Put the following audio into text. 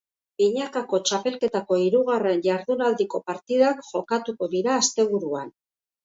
Binakako txapelketako hirugarren jardunaldiko partidak jokatuko dira asteburuan.